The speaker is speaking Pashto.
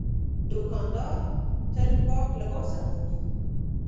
دوکاندار تل پاک لباس اغوندي.